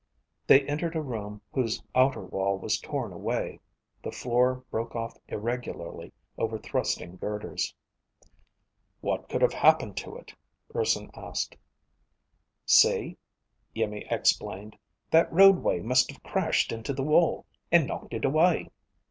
They entered a room whose outer wall was torn away. The floor broke off irregularly over thrusting girders. "What could have happened to it?" Urson asked. "See," Iimmi explained. "That roadway must have crashed into the wall and knocked it away."